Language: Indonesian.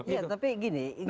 ya tapi gini